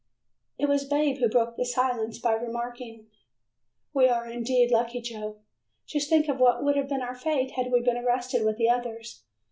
It was "Babe" who broke the silence by remarking: "We are indeed lucky, Joe. Just think of what would have been our fate had we been arrested with the others.